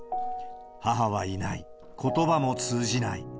母はいない、ことばも通じない。